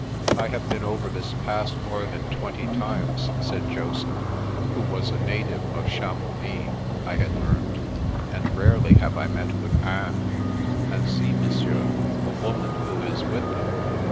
" I have been over this Pass more than twenty times," said Joseph (who was a native of Cha mounix, I had learned), " yet rarely have I met with dnes. And see. Monsieur, the woman who is with them.